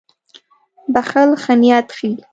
• بښل ښه نیت ښيي.